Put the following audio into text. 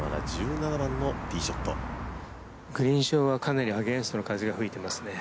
グリーン上はかなりアゲンストの風が吹いていますね。